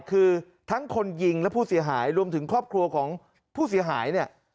คือทั้งคนยิงและผู้เสียหายรวมถึงครอบครัวของผู้เสียหายเนี่ย